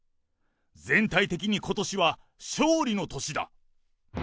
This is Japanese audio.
全体的にことしは勝利の年だ。